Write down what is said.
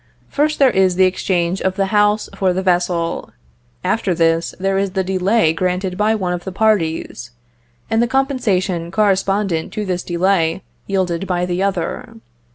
First, there is the exchange of the house for the vessel; after this, there is the delay granted by one of the parties, and the compensation correspondent to this delay yielded by the other.